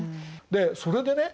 でそれでね